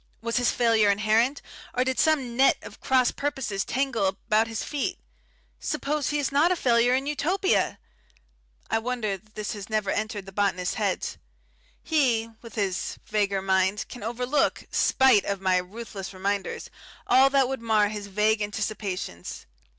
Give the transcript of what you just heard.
Was his failure inherent, or did some net of cross purposes tangle about his feet? Suppose he is not a failure in Utopia!... I wonder that this has never entered the botanist's head. He, with his vaguer mind, can overlook spite of my ruthless reminders all that would mar his vague anticipations.